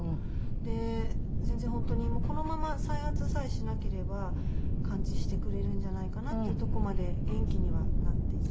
で全然本当にこのまま再発さえしなければ完治してくれるんじゃないかなっていうとこまで元気にはなっていて。